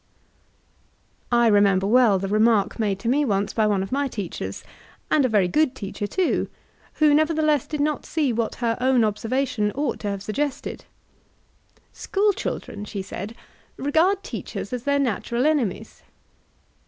1 remember well the remark made to me once by one of my teachers — and a very good teacher, too, who never theless did not see what her own observation ought to have suggested. "School children," she said, "regard teachers as their natural enemies."